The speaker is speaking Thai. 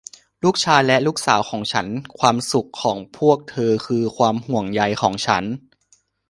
ลูกชายและลูกสาวของฉัน ความสุขของพวกเธอคือความห่วงใยของฉัน